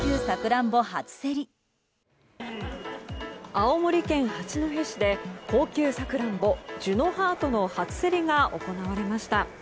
青森県八戸市で高級サクランボジュノハートの初競りが行われました。